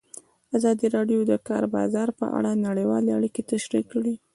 ازادي راډیو د د کار بازار په اړه نړیوالې اړیکې تشریح کړي.